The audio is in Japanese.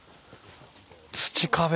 土壁。